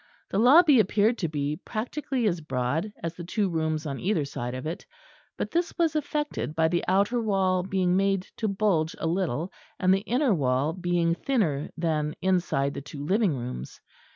The lobby appeared to be practically as broad as the two rooms on either side of it; but this was effected by the outer wall being made to bulge a little; and the inner wall being thinner than inside the two living rooms.